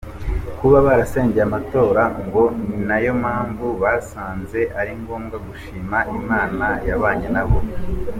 Kuba barasengeye amatora ngo ni nayo mpamvu basanze ari ngombwa gushima Imana yabanye nabo.